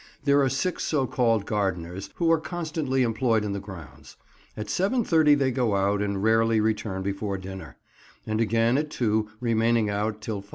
There are six so called gardeners, who are constantly employed in the grounds. At 7.30 they go out, and rarely return before dinner; and again at 2, remaining out till 5.